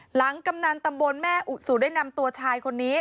กำนันตำบลแม่อุสุได้นำตัวชายคนนี้